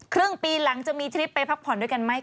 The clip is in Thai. ครึ่งปีหลังจะมีทริปไปพักผ่อนด้วยกันไหม